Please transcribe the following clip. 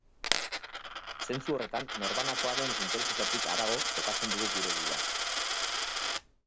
Zentzu horretan, norbanakoen interesetatik harago kokatzen dugu gure burua.